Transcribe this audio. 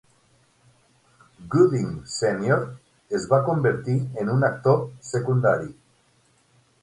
Gooding Senior es va convertir en un actor secundari.